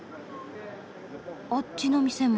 あっちの店も。